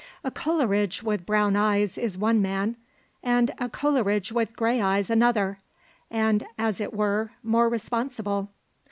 A Coleridge with brown eyes is one man, and a Coleridge with grey eyes another and, as it were, more responsible.